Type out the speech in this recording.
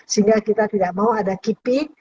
sehingga kita tidak mau ada kipik